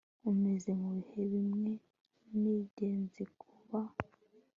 Umeze mubihe bimwe nigeze kuba